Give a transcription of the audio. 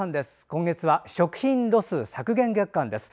今月は食品ロス削減月間です。